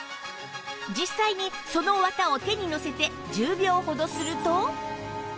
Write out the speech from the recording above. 実際にその綿を手にのせて１０秒ほどすると